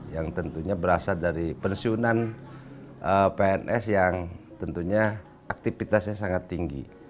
yang tentunya berasal dari pensiunan pns yang tentunya aktivitasnya sangat tinggi